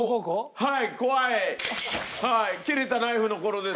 はい。